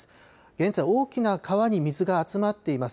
現在、大きな川に水が集まっています。